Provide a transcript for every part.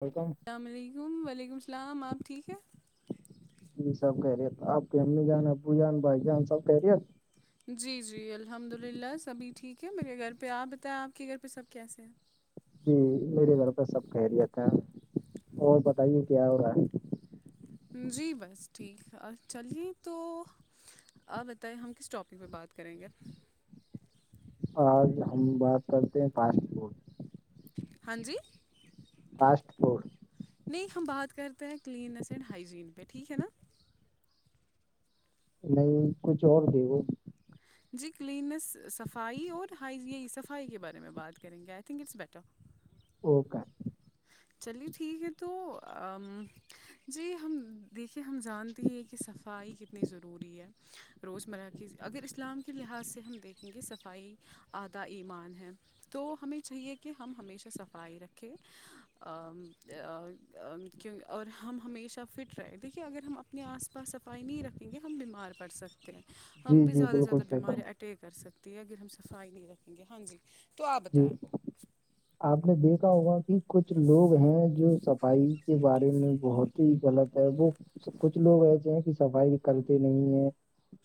ولکم [inaudible] سلام علیکم وعلیکم سلام آپ ٹھیک ہے جی سب خیرت آپ کے امی جان ابو جان بھائی جان سب خیرت جی جی الحمد للہ سبھی ٹھیک ہے میرے گھر پہ آ بتائیں آپ کے گھر پہ سب کیسے ہیں جی میرے گھر پہ سب خیرت ہے اور بتائیے کیا ہو رہا ہے جی بس ٹھیک ہے آ چلیے تو آپ بتائیے ہم کس ٹاپک پہ بات کریں گے آج ہم بات کرتے ہیں فاسٹ فوڈ ہاں جی فاسٹ فوڈ نہیں ہم بات کرتے ہیں کلیننس اینڈ ہائیجین پہ ٹھیک ہے نا نہیں کچھ اور تھی وہ جی کلین نس صفائی اور ہائی یہ صفائی کے بارے میں بات کریں گے I think it's better okay چلیے ٹھیک ہے تو ا جی ہم دیکھیے ہم جانتے ہیں کہ صفائی کتنی ضروری ہے روزمرہ کی اگر اسلام کے لحاظ سے ہم دیکھیں گے صفائی آدھا ایمان ہے تو ہمیں چاہیے کہ ہم ہمیشہ صفائی رکھیں اور ہم ہمیشہ فٹ رہے دیکھیے اگر ہم اپنے آس پا پر صفائی نہیں رکھیں گے ہم بیمار پڑ سکتے ہیں ہم جی پہ جی زیادہ سے بالکل زیادہ صحیح بیمار فرما ٹے کر سکتی ہے اگر ہم صفائی نہیں رکھیں گے ہاں جی تو آپ جی بتائیں آپ نے دیکھا ہوگا کہ کچھ لوگ ہیں جو صفائی کے بارے میں بہت ہی غلط وہ کچھ لوگ ایسے ہیں کہ صفائی کرتے نہیں ہے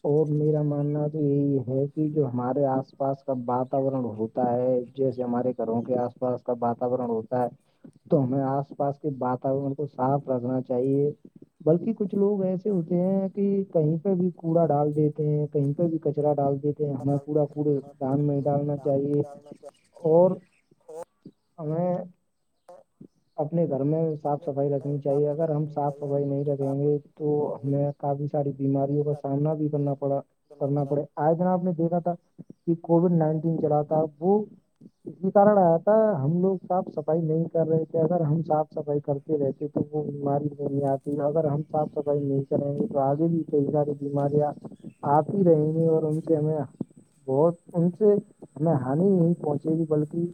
اور میرا ماننا تو یہی ہے کہ جو ہمارے آس پاس کا واتورن ہوتا ہو ہے جیسے ہمارے گھروں کے آس پاس کا واتورن ہوتا ہے تو ہمیں آس پاس کے واتورن کو صاف رکھنا چاہیے بلکہ کچھ لوگ ایسے ہوتے ہیں کہ کہیں پہ بھی کوڑا ڈال دیتے ہیں کہیں پہ بھی کچرا ڈال دیتے ہمیں کوڑا کوڑ دان میں ڈالنا چاہیے نا کیا [inaudible] اور ہمیں تو [inaudible] اپنے گھر میں صاف صفائی رکھنی چاہیے اگر ہم صاف صفائی نہیں رکھیں گے تو ہمیں کافی ساری بیماریوں کا سامنا بھی کرنا پڑا کرنا پڑے آئے دن آپ نے دیکھا تھا کہ کووڈ نائنٹین چلا تھا وہ اسی کارن آتا ہم لوگ صاف صفائی نہیں کر رہے کہ اگر ہم صاف صفائی کرتے رہتے تو وہ بیماری نہیں آتی اگر ہم صاف صفائی نہیں کہیں ساری بیماریاں آتی رہیں گی اور ان سے ہمیں بہت ان سے ہمیں ہانی نہیں پہنچے گی بلکہ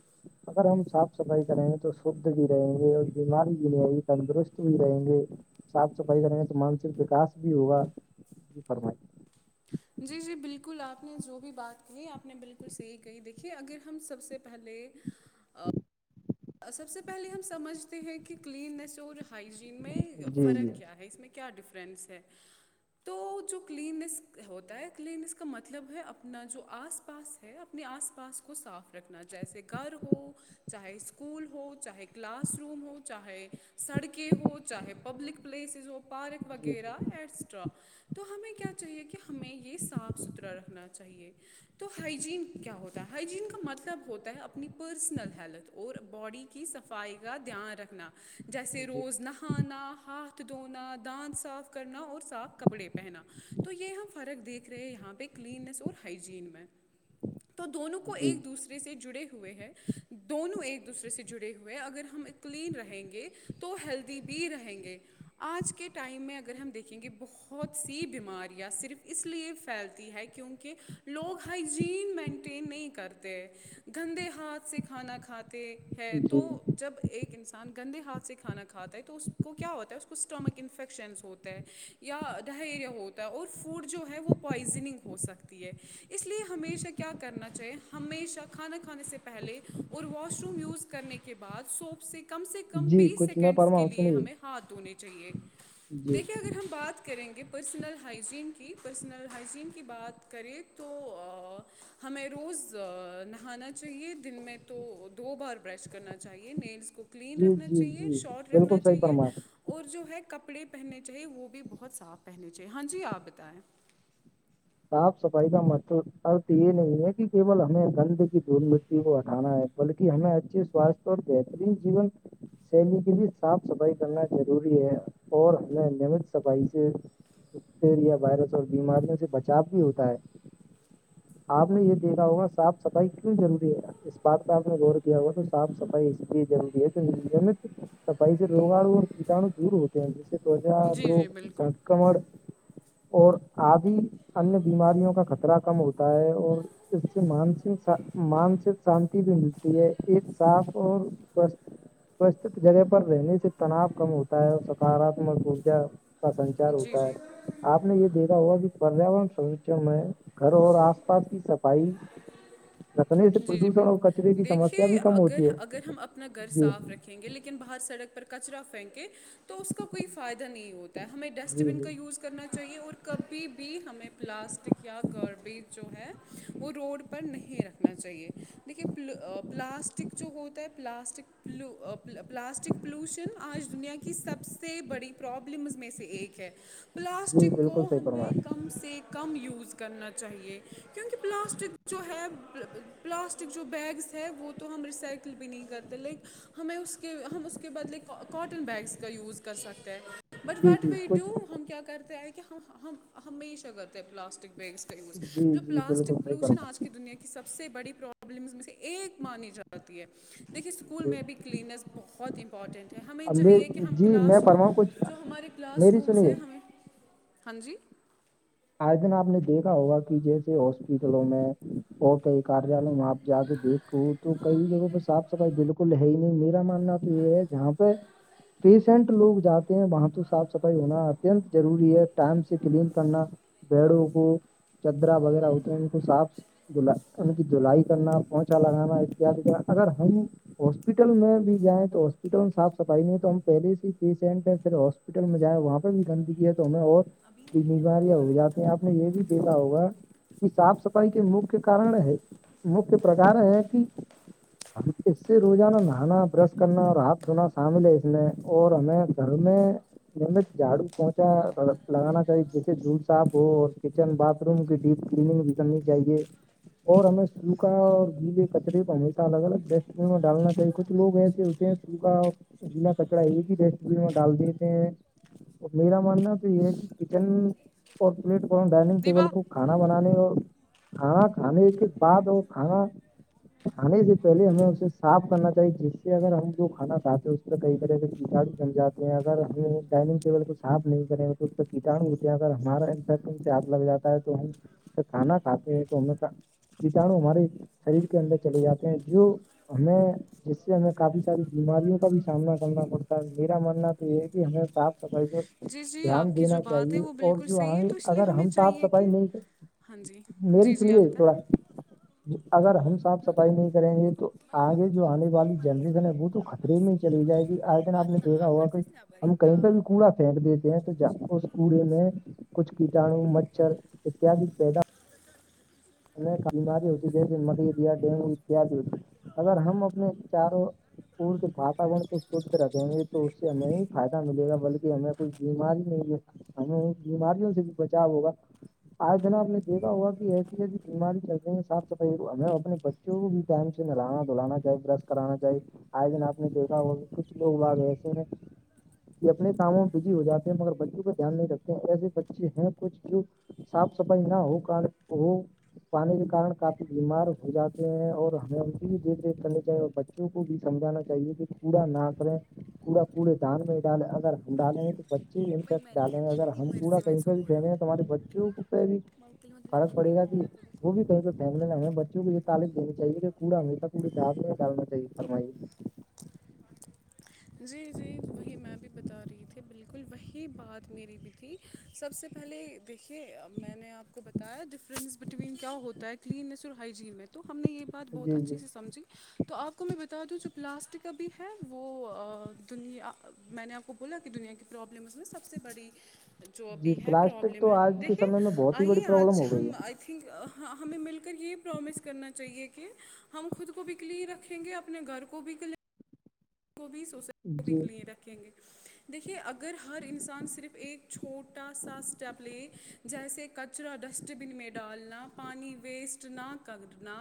اگر ہم صاف صفائی کریں گے تو شھ بھی رہیں گے اور بیماری بھی نہیں آئے گی تندرست بھی رہیں گے صاف صفائی کریں گے تو مانسک وکاس بھی ہوگا فرم جی جی بالکل آپ نے جو بھی بات کہی آپ نے بالکل صحیح کہی دیکھیے اگر ہم سب سے پہلے سب سے پہلے ہم سمجھتے ہیں کہ کلیننیس اور ہائجین میں جی جی فرق کیا ہے اس میں کیا ڈیفرنس ہے تو جو کلیننس ہوتا ہے کلیننیس کا مطلب ہے اپنا جو آس پاس اپنے آس پاس کو صاف رکھنا جیسے گھر ہو چاہے اس کو اسکول ہو چاہے کلاس روم ہو چاہے سڑکیں ہو چاہے پبلک پلیسز ہو پارک جی وغیرہ ایٹسٹرا تو ہمیں کیا چاہیے کہ ہمیں یہ س صاف ستھرا رکھنا چاہیے تو ہائیجین کیا ہوتا ہے ہائیجین کا مطلب ہوتا ہے اپنی پرسنل ہیلتھ اور باڈی کی صفائی کا دھیان رکھنا جیسے جی روزنہ کھانا ہاتھ دھونا دانت صاف کرنا اور صاف کپڑے پہنا تو یہ ہم فرق دیکھ رہے ہیں یہاں پہ کلین نس اور ہائجین میں [inaudible] تو دونوں کو جی ایک دوسرے سے جڑے ہوئے ہیں دونوں ایک دوسرے سے جڑے ہوئے اگر ہم کلین رہیں گے تو ہیلدی بھی رہیں گے آج کے ٹائم میں اگر ہم دیکھیں گے بہت سی بیماریاں صرف اس لیے پھیلتی ہے کیونکہ لوگ ہائجین مینٹین نہیں کرتے گندے ہاتھ سے کھانا کا کھاتے ہیں جی تو جی جب ایک انسان گندے ہاتھ سے کھانا کھاتا ہے تو اس کو کیا ہوتا ہے اس کو اسٹمک انفیکشنس ہوتا ہے یا ڈہیریا ہوتا ہے اور فوڈ جو ہے وہ پوائزننگ ہو سکتی ہے اس لیے ہمیشہ کیا کرنا چاہیے ہمیشہ کھانا کھانے سے پہلے اور واش روم یوز کرنے کے بعد سوپ سے کم سے کم جی بیس کچھ میں سیکنڈس کے فرماؤں لیے سنیے ہمیں ہاتھ دھونے چاہیے جی دیکھیے اگر ہم بات کریں گے پرسنل ہائجین کی پرسنل ہائجین کی بات کریں تو ہمیں روز نہانا چاہیے دن میں تو دو بار برش کرنا چاہیے نیلس کو کلین جی رکھنا جی چاہیے جی شارٹ بالکل رکھنا صحیح چاہیے فرمایا اور جو ہے کپڑے پہننے چاہیے وہ بھی بہت صاف پہننے چاہیے ہاں جی آپ بتائیں صاف صفائی کا مشہور ارت یہ نہیں ہے کہول ہمیں گند کی دھول م کو ہٹانا ہے بلکہ ہمیں اچھے سوستھ اور بہترین جیون سیلی کے لیے صاف صفائی کرنا ضروری ہے اور ہمیں نیمت صفائی سے اٹیریا وائرس اور بیماریوں سے بچاؤ بھی ہوتا ہے آپ نے یہ دیکھا ہوگا صاف صفائی کیوں ضروری ہے اس بات کا آپ نے غور کیا ہوا تو صاف سفائی اس لیے جلدی ہے نت س پیس روگاڑو اور کٹاو دور ہوتی جیسے توجا جی جی روگ بالکل سکمن اور آدی ان بیماریوں کا خطرہ کم ہوتا ہے اور اس سے مس مانسک شانتی بھی ملتی ہے ایک صاف اور جگہ پر رہنے سے تناؤ کم ہوتا ہے اور سکاراتمک ارجا کا سنچار جی ہوتا جی ہے آپ نے یہ دیکھا ہوا کہ پریاورن سرچن میں گھر اور آس پاس کی صفائی رکھنے سے جی جی پردوشن اور کچرے بالکل کی دیکھیے سمسیا بھی کم اگر ہوتی ہے اگر ہم اپنا گھر جی صاف رکھے یں گے لیکن باہر سڑک پر کچرا پھینکے تو اس کا کوئی فائدہ نہیں ہوتا ہمیں ڈسٹ جی بین جی کا یوز کرنا چاہیے اور کبھی بھی ہمیں پلاسٹک یا گاربیج جو ہے وہ روڈ پر نہیں رکھنا چاہیے دیکھیے پلاسٹک جو ہوتا ہے پلاسٹکو پلاسٹک پلوشن آج دنیا کی سب سے بڑی پرابلمس میں سے ایک ہے جی پلاسٹک بالکل کو صحیح ہمیں فرمایا کم سے کم یوز کرنا چاہیے کیونکہ پلاسٹک جو ہے پلاسٹک جو بیگس ہے وہ تو ہم ریسائیکل بھی نہیں کرتے لیک ہمیں اس کے ہم اس کے بدلے کاٹن بیگس کا یوز کر سکتے ہیں بٹ جی وٹ جی وی ڈو کچھ ہم کیا کرتے ہیںئے کہ ہمیشہ کرتے ہیں پلاسٹک بیگس ز جی جو جی بالکل پلاسٹک صحیح پولوشن فرمایا آج کی دنیا کی سب سے بڑی پرابلمس میں سے ایک مانی جاتی ہے دیکھیے اسکول جی میں بھی کیا کلینس بہت امپارٹنٹ ہمیں چاہیے کہ ابھی ہم جی میں کلاس روم فرماؤں کچھ جو ہمارے کلاس میری رومز ہیں سنیے ہمیں ہاں جی آج دن آپ نے دیکھا ہوگا کہ جیسے ہاسپٹلوں میں اور کئی کاریالوں میں آپ جا کے دیکھ وہ تو کئی جگہوں پہ صاف صفائی بالکل ہے ہی نہیں میرا ماننا تو یہ ہے جہاں پہ پیشنٹ لوگ جاتے ہیں وہاں تو صاف صفائی ہونا اتنت ضروری ہے ٹائم سے کلین کرنا بڑوں کو چدرا وغیرہ ہوتے ہیں ان کو صاف د دلائی کرنا پونچا لگانا اتد کرنا اگر ہم ہاسپٹل میں بھی جائیں تو ہاسپٹل میں صاف صفائی نہیں ہے تو ہم پہلے سے ہی پیشنٹ ہیں پھر ہپٹل میں جائے وہاں پہ بھی گندگی ہے تویں اور بیماریاں آپ نے یہ بھی دیکھا ہوگا یہ صاف صفائی کے مک کارن ہے مک پرکار ہے کہ ہم اس سے روزانہ نہانا برش کرنا اور ہاتھ دھونا شامل ہے اس میں اور ہمیں گھر میں ن جھاڑو پہنچا لگانا چاہیے جیسے دور سے صاف ہو اور کچن باتھ روم کی ڈیپ کلیننگ بھی کرنی چاہیے اور ہمیں سوکھا اور گیلے کچرے کو ہمیشہ الگ الگ ڈسٹ بین میں ڈالنا چاہیے کچھ لوگ ایسے ہوتے ہیں و کا گلا کچڑا ایک ہی ڈسٹ بین میں ڈال دیتے ہیں اور میرا ماننا تو یہ ہے کہ کچن اور پلیٹ اور ڈائنگ ٹیبل دیبا کو کھانا بنانے اور کھانا کھانے کے بعد وہ کھانا کھانے سے پہلے ہمیں اسے صاف کرنا چاہیے جس سے اگر ہم جو کھا کھاتے ہیں کئی طرح کے کیٹاو سم جاتے ہیں اگر ہم ڈائنگ ٹیبل کو صاف نہیں کریں گے تو اس کیٹاو ہوتے ہیں اگر ہمارا انف سے ہاتھ لگ جاتا ہے تو ہم کھانا کھاتے ہیں تو ہمیں کٹاڑو ہمارے شریر کے اندر چلے جاتے ہیں جو ہمیں جس سے ہمیں کافی ساری بیماریوں کا بھی سامنا کرنا پڑتا ہے میرا ماننا تو یہ ہے کہ ہمیں صاف صفائی پر جی جی آپ دھیان کی جو دینا بات ہے چاہیے وہ اور بالکل جو صحیح آئ ہے گے تو اس لیے اگر ہمیں ہم صاف چاہیے صفائی کہ نہیں کر ہاں جی میری جی جی آپ سنیے بتائیں تھوڑا اگر ہم صاف صفائی نہیں کریں گے تو آگے جو آنے والی جلریزن ہے وہ تو خطرے میں ہی چلی جائے گی آج دن آپ نے دیکا ہوا ہم کہیں پہ بھی کوڑا پھینک دیتے ہیں تو ج اس کوڑے میں کچھ کیٹاانو مچھر اتیاد پیدا بیماری ہوتی جیسے ملیریا ڈینگو اتیاد ہوتی اگر ہم اپنے چاروں پور کے واتاورن کو شھ رکھیں گے تو اس سے ہمیں ہی فائدہ ملے گا بلکہ ہمیں کوئی بیماری نہیں لگ سک ہمیں بیماریوں سے بھی بچاؤ ہوگا آج جناب آپ نے دیکھا ہوگا کہ ایسی جیسی بیماری چل رہی ہیں صاف صفائی ہمیں اپنے بچوں کو بھی ٹائم سے نہلانا دھلانا چاہے برش کرانا چاہیے آئے دن آپ نے دیکھا ہو کہ کچھ لوگ بگ ایسے ہیں کہ اپنے کاموں میں بزی ہو جاتے ہیں مگر بچوں پ دھیان نہیں رکھتے ہیں ایسے بچے ہیں کچھ جو صاف سفائی نہ ہو کار ہو پانی کے کار کافی بیمار ہو جاتے ہیں اور ہمیں ان کی بھی دیکھ ریکھ کرنی چاہیے اور کو بھی سمجھانا چاہیے کہ کوڑا نہ کریں کوڑا کوڑے دان میں ڈالیں اگر ہم ڈالیں تو بچے بھییکٹ ڈالیں گے اگر اتنی ہم کوڑا مرضی میں کہیں سو پہ بھی بولا پہن گے ہیں تو ہمارے بچوں پہ بھی فرق پڑے گا کہ وہ بھی کہیں پہ فیملے نہ ہویں بچوں کو یہ تعلیم دیین چاہیے کہ کوڑا ہمیشہ کوڑی دان میں ڈالنا چاہیے فرمائیے جی جی وہی میں بھی بتا رہی تھی بالکل وہی بات میری بھی تھی سب سے پہلے دیکھیے میں نے آپ کو بتایا ڈفرینس بٹوین کیا ہوتا ہے کلیننیس اور ہائیجین میں تو ہم نے یہ بات بہت جی اچھے جی سے سمجھی تو آپ کو میں بتا دوں جو پلاسٹک کا بھی ہے وہ دنیا میں نے آپ کو بولا کہ دنیا کی پرابلمس میں سب سے بڑی جی جوبھی ہے پلاسٹک پرابلم ہے تو آج کے دیکھیے سمے میں بہت ہی بڑی آئیے پرابلم آج ہو گئی ہم تھنک ہمیں مل کر یہ پرومس کرنا چاہیے کہ ہم خود کو بھی کلین رکھ یں گے اپنے گھر کو بھی کلین کو بھی سوسائٹی ہے کو بھی جی کلین رکھیں گے دیکھیے اگر ہر انسان صرف ایک چھوٹا سا اسٹپ لے جیسے کچرا ڈسٹ بن میں ڈالنا پانی ویسٹ نہ کرنا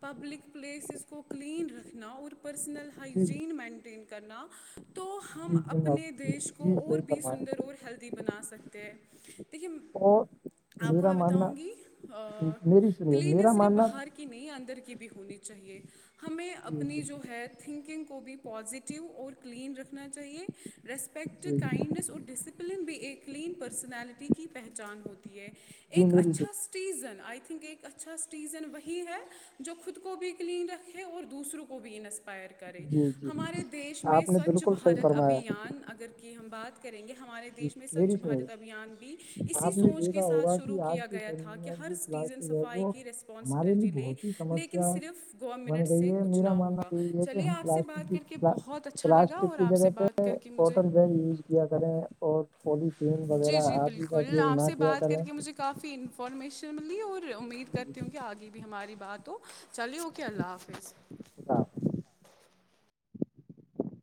پبلک پلیسز کو کلین رکھنا اور پرسنل جی ہائجین مینٹین کرنا تو ہم جی جناب اپنے دیش کو جی اور صحیح بھی فرمایا سندر اور ہیلدی بنا سکتے ہیں دیکھیے اور آپ کو میرا میں ماننا بتاؤں گی میری سنیے میرا کلینس صرف ماننا باہر کے کی نہیں اندر کی بھی ہونی چاہیے ہمیں جی جی اپنی جو ہے تھنکنگ کو بھی پزیٹو اور کلین رکھنا چاہیے ریسپیکٹ جی کائنڈنیس اور ڈسپ پلن بھی ایک کین پرسنالٹی کی پہچان ہوتی ہے جی ایک میری س اچھا سٹیزن آئی تھنک ایک اچھا سٹیزن وہی ہے جو خود کو بھی کلین رکھے اور دوسروں کو بھی نس پائر کریں جی جی ہمارے دیش میں آپ نے سوچھ بالکل صحیح بھارت فرمایا ابھیان اگر کی ہم بات کریں گے ہمارے جی دیش میں سوچھ میری سنیے بارت ابھیان بھی اسی آپ نے سوچ کے دیکھا ساتھ ہوگا شروع کہ آج کیا کے گیا تھا سمے کہ میں ہر جو سٹیزن پلاسٹک ہے صفائی وہ کی ہمارے ریسپانسبلٹی لیے لے بہت ہی لیکن سمسیا صرف گورنمنٹ سے کچھ نہ ہوگا جیسے چلیے ہم آپ سے بات کر کے پلاسٹک بہت اچھا لگا پلاسٹک اور کی آپ جگہ سے پہ بات کر کے مجھے کاٹن بیگ یوز کیا کریں اور پولیتھیین جی وغیرہ جی آپ بھی بالکل کایوز آپ نہ سے کیا بات کر کریں کے مجھے کافی انفارمیشن ملی اور امید جی کرتی ہوں کہ آگے بھی ہماری بات ہو چلیے اوکے اللہ حافظ [unintelligible]